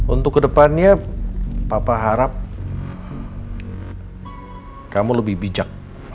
untuk kedepannya papa harap kamu lebih bijak